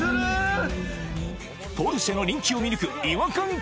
ポルシェの人気を見抜く違和感